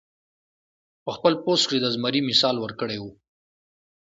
پۀ خپل پوسټ کښې د زمري مثال ورکړے وۀ -